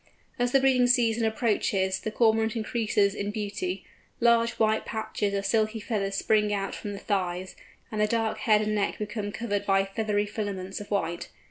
As the breeding season approaches the Cormorant increases in beauty; large white patches of silky feathers spring out from the thighs, and the dark head and neck become covered by feathery filaments of white.